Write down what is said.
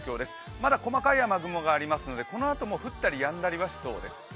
まだ細かい雨雲がありますのでこのあと降ったりやんだりはしそうです。